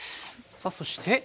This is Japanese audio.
さあそして。